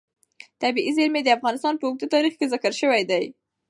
طبیعي زیرمې د افغانستان په اوږده تاریخ کې ذکر شوی دی.